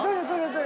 どれ？